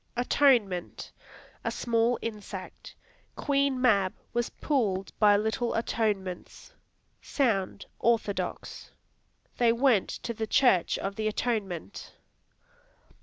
Atonement A small insect; "Queen Mab was pulled by little atonements." Sound, [orthodox]; "They went to the church of the Atonement."